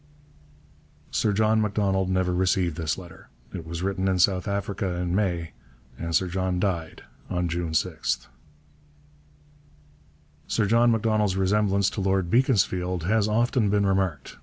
Sir John Macdonald never received this letter. It was written in South Africa in May, and Sir John died on June 6. Sir John Macdonald's resemblance to Lord Beaconsfield has often been remarked.